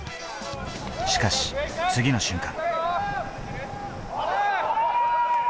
しかし、次の瞬間。